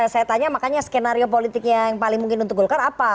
saya tanya makanya skenario politiknya yang paling mungkin untuk golkar apa